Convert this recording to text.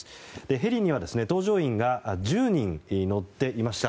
ヘリには搭乗員が１０人乗っていました。